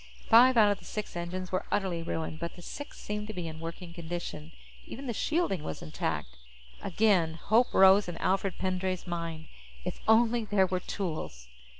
Five out of the six engines were utterly ruined, but the sixth seemed to be in working condition. Even the shielding was intact. Again, hope rose in Alfred Pendray's mind. If only there were tools!